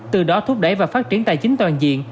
từ đó thúc đẩy và phát triển tài chính toàn diện